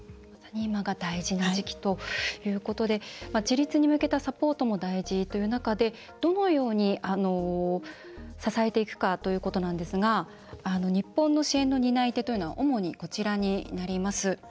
今が大事な時期ということで自立に向けたサポートも大事という中でどのように支えていくかということですが日本の支援の担い手というのは主にこちらになります。